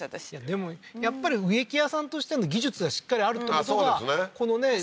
私でもやっぱり植木屋さんとしての技術がしっかりあるってことがこのね